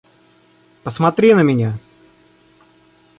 Посмотри на меня.